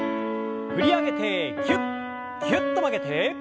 振り上げてぎゅっぎゅっと曲げて。